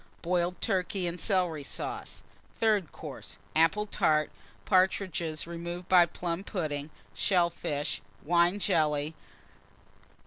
Boiled Turkey and Celery Sauce. Third Course. Apple Tart. Partridges, Shell Fish. removed by Plum pudding. Wine Jelly.